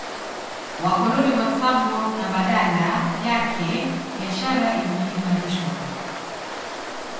Wakoloni wa Tsavo na badala yake biashara iliimarishwa